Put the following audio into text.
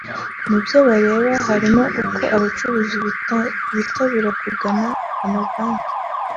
Mu byo bareba harimo uko abacuruzi bitabira kugana amabanki